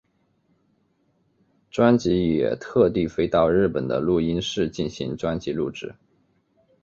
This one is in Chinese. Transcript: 专辑也特地飞到日本的录音室进行专辑录制。